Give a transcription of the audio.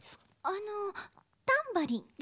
あのタンバリンですか。